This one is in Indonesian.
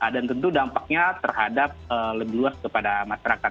dan tentu dampaknya terhadap lebih luas kepada masyarakat